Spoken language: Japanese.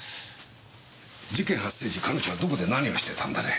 事件発生時彼女はどこで何をしてたんだね？